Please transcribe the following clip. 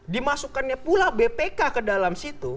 dimasukkannya pula bpk ke dalam situ